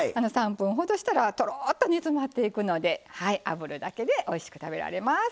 ３分ほどしたらとろっと煮詰まっていくのであぶるだけでおいしく食べられます。